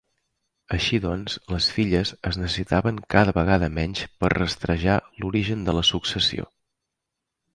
Així doncs, les filles es necessitaven cada vegada menys per rastrejar l'origen de la successió.